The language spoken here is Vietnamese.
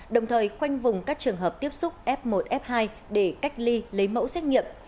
đồng thời khoanh vùng các trường hợp tiếp xúc f một f hai để cách ly lấy mẫu xét nghiệm